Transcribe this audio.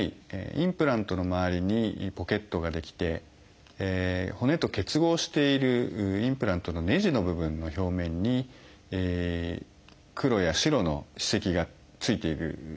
インプラントの周りにポケットが出来て骨と結合しているインプラントのねじの部分の表面に黒や白の歯石がついている状態です。